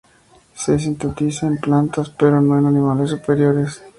Se sintetiza en plantas, pero no en animales superiores.